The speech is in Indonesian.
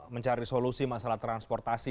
mencari solusi masalah transportasi